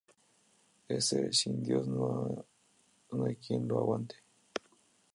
Este sindiós no hay quien lo aguante